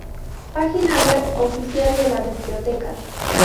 Página web oficial de la biblioteca